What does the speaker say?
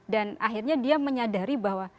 dan akhirnya dia menyadari bahwa